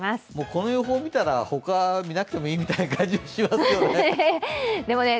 この予報を見たら他、見なくてもいいような気もしますよね。